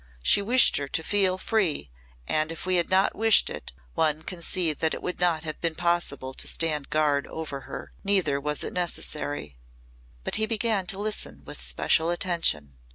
She wished her to feel free and if we had not wished it, one can see that it would not have been possible to stand guard over her. Neither was it necessary." But he began to listen with special attention.